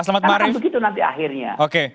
karena kan begitu nanti akhirnya